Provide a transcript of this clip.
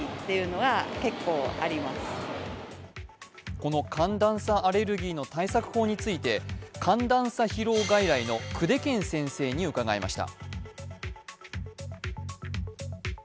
この寒暖差アレルギーの対策法について、寒暖差疲労外来の久手堅先生に伺いました。